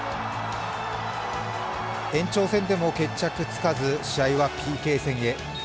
延長戦でも決着つかず試合はＰＫ戦へ。